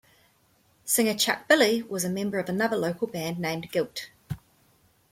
Singer Chuck Billy was a member of another local band named Guilt.